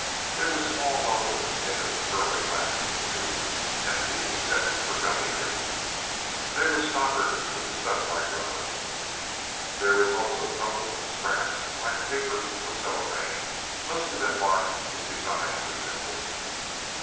There were small bottles made of pearly glass, too empty except for gummy traces. They were stoppered with a stuff like rubber. There were also crumpled scraps, like paper or cellophane, most of them marked with designs or symbols.